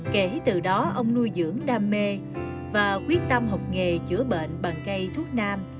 kể từ đó ông nuôi dưỡng đam mê và quyết tâm học nghề chữa bệnh bằng cây thuốc nam